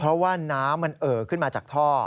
เพราะว่าน้ำมันเอ่อขึ้นมาจากท่อ